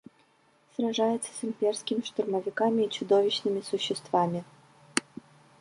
сражается с имперскими штурмовиками и чудовищными существами